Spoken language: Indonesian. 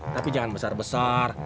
tapi jangan besar besar